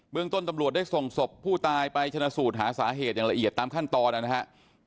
เมืองต้นตำรวจได้ส่งศพผู้ตายไปชนะสูตรหาสาเหตุอย่างละเอียดตามขั้นตอนนะครับ